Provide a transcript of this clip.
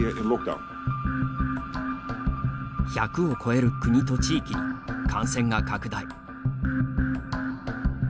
１００を超える国と地域に感染が拡大。